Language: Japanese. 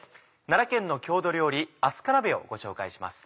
奈良県の郷土料理「飛鳥鍋」をご紹介します。